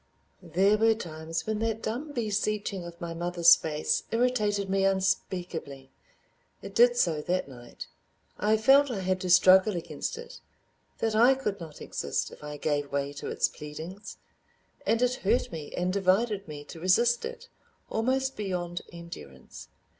There were times when that dumb beseeching of my mother's face irritated me unspeakably. It did so that night. I felt I had to struggle against it, that I could not exist if I gave way to its pleadings, and it hurt me and divided me to resist it, almost beyond endurance.